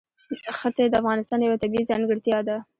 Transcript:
ښتې د افغانستان یوه طبیعي ځانګړتیا ده.